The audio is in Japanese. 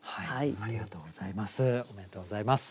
ありがとうございます。